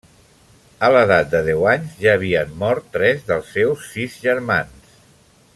A l'edat de deu anys ja havien mort tres dels seus sis germans.